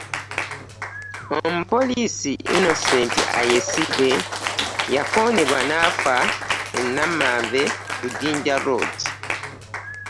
Omupoliisi Innocent Ayesigye yakoonebwa n’afa e Namanve ku Jinja Road.